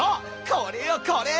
これよこれ！